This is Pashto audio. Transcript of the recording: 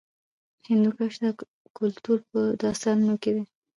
هندوکش د کلتور په داستانونو کې دی.